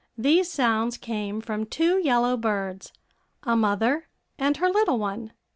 These sounds came from two yellow birds, a mother and her little one.